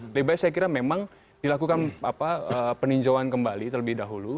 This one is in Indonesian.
lebih baik saya kira memang dilakukan peninjauan kembali terlebih dahulu